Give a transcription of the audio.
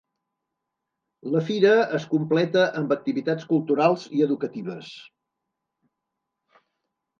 La fira es completa amb activitats culturals i educatives.